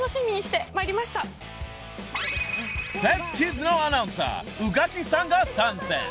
［フェスキッズのアナウンサー宇垣さんが参戦］